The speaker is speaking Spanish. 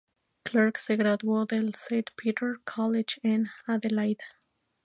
Clark se graduó del St Peter's College, en Adelaida.